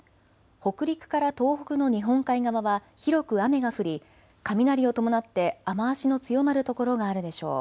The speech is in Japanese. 北陸から東北の日本海側は広く雨が降り雷を伴って雨足の強まる所があるでしょう。